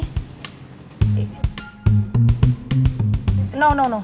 tidak tidak tidak